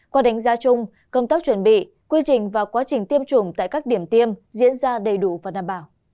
qua đánh giá chung công tác chuẩn bị quy trình và quá trình tiêm chủng tại các điểm tiêm diễn ra đầy đủ và đảm bảo